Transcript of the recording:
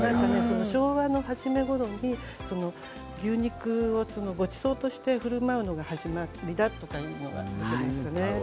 昭和の初めごろに牛肉をごちそうとしてふるまうのが始まりだというのがありますね。